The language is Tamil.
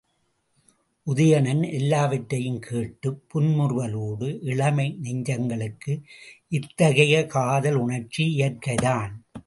உதயணன் எல்லாவற்றையும் கேட்டுப் புன்முறுவலோடு இளமை நெஞ்சங்களுக்கு இத்தகைய காதலுணர்ச்சி இயற்கைதான்!